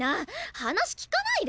話聞かないで！